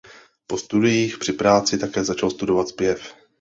Po studiích při práci také začal studovat zpěv.